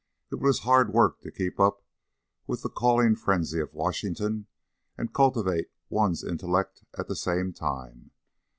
It was hard work to keep up with the calling frenzy of Washington and cultivate one's intellect at the same time.